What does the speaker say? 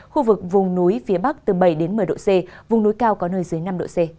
khu vực vùng núi phía bắc từ bảy đến một mươi độ c vùng núi cao có nơi dưới năm độ c